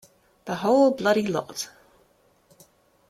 The whole bloody lot.